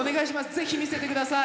ぜひ見せて下さい。